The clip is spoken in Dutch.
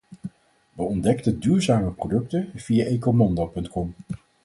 We ontdekten duurzame producten via Ecomondo.com.